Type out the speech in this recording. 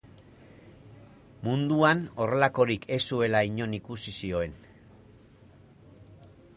Munduan horrelakorik ez zuela inon ikusi zioen.